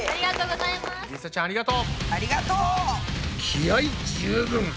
気合い十分！